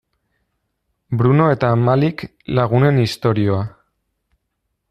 Bruno eta Malik lagunen istorioa.